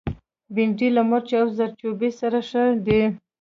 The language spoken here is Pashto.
بېنډۍ له مرچ او زردچوبه سره ښه ده